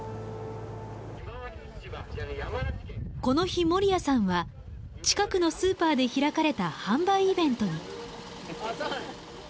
この日守屋さんは近くのスーパーで開かれた販売イベントに。